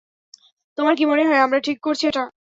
তোমার কি মনে হয়, আমরা ঠিক করছি এটা?